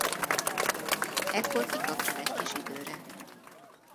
Ekkor kikapcsol egy kis időre.